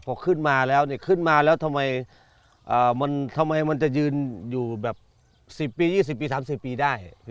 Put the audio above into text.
พอขึ้นมาแล้วเนี่ยขึ้นมาแล้วทำไมมันจะยืนอยู่แบบ๑๐ปี๒๐ปี๓๐ปีได้